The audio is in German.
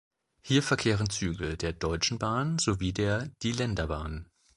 Hier verkehren Züge der Deutschen Bahn sowie der Die Länderbahn.